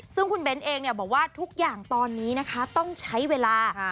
ซึ่งคุณเบ้นเองบอกว่าทุกอย่างตอนนี้นะคะต้องใช้เวลา